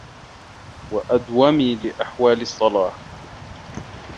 وَأَدْوَمِ لِأَحْوَالِ الصَّلَاحِ